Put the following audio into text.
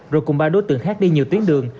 rồi cùng ba đối tượng khác đi nhiều tuyến đường